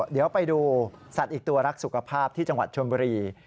เดี๋ยวไปดูสัตว์อีกตัวรักสุขภาพที่จังหวัดชนบุรี